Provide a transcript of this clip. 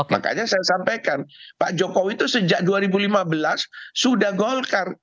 makanya saya sampaikan pak jokowi itu sejak dua ribu lima belas sudah golkar